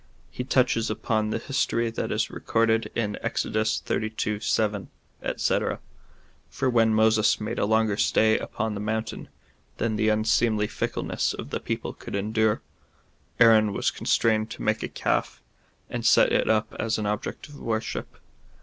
He touches upon the history that is recorded in Exod. xxxii. 7, &c. For when Moses made a longer stay upon the mountain than the unseemly fickleness of the people could endure, Aaron was constrained to make a calf, and set it up as an object of worship.